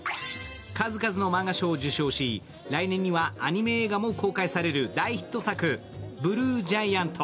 数々のマンガ賞を受賞し来年にはアニメ映画も公開される大ヒット作「ＢＬＵＥＧＩＡＮＴ」。